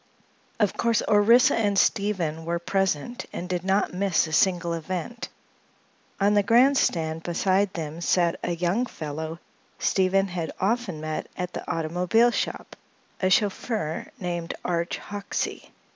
Of course, Orissa and Stephen were present and did not miss a single event. On the grand stand beside them sat a young fellow Stephen had often met at the automobile shop, a chauffeur named Arch Hoxsey.